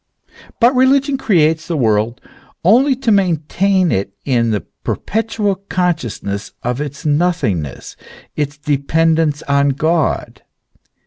But religion creates the world only to maintain it in the perpetual consciousness of its nothingness, its dependence on God.